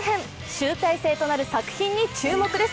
集大成となる作品に注目です。